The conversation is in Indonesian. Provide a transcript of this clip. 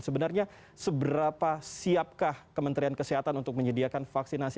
sebenarnya seberapa siapkah kementerian kesehatan untuk menyediakan vaksinasi